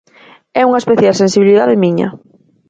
É unha especial sensibilidade miña.